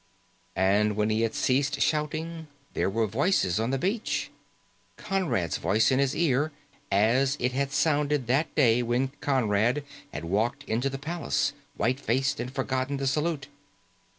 And when he had ceased shouting, there were voices on the beach. Conrad's voice in his ear, as it had sounded that day when Conrad had walked into the palace, white faced, and forgotten the salute.